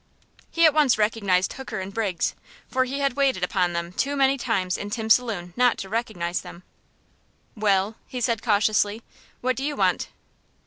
He at once recognized Hooker and Briggs, for he had waited upon them too many times in Tim's saloon not to recognize them. "Well," he said, cautiously, "what do you want?"